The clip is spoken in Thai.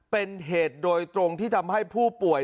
เป็นเหตุโดยตรงที่ทำให้ผู้ป่วย